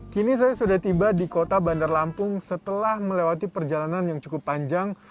kini saya sudah tiba di kota bandar lampung setelah melewati perjalanan yang cukup panjang